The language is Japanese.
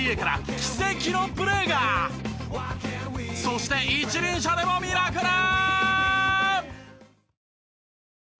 そして一輪車でもミラクル！